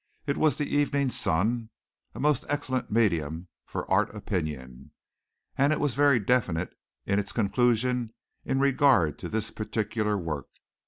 It was the Evening Sun, a most excellent medium for art opinion, and it was very definite in its conclusions in regard to this particular work.